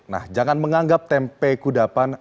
nah jangan menganggap tempe kudapan